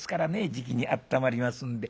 じきにあったまりますんで」。